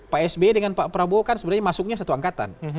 pak sby dengan pak prabowo kan sebenarnya masuknya satu angkatan